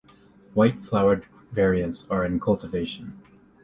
White-flowered variants are in cultivation.